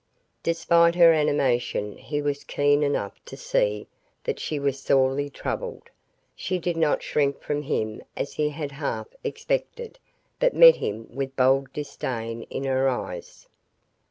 Despite her animation he was keen enough to see that she was sorely troubled. She did not shrink from him as he had half expected, but met him with bold disdain in her eyes.